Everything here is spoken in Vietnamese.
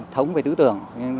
thống về tư tưởng